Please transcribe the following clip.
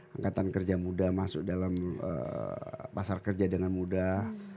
angkatan kerja muda masuk dalam pasar kerja dengan mudah